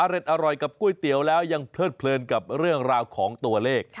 อร่อยกับก๋วยเตี๋ยวแล้วยังเพลิดเพลินกับเรื่องราวของตัวเลข